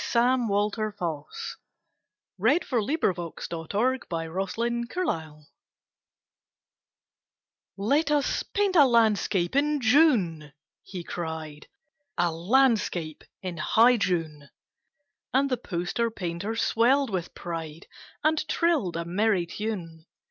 Sam Walter Foss The Poster Painter's Masterpiece "LET us paint a landscape in June," he cried; "A Landscape in high June." And the poster painter swelled with pride And trilled a merry tune.